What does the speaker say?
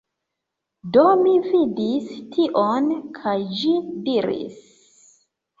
Do mi vidis tion, kaj ĝi diris...